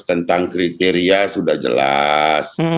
tentang kriteria sudah jelas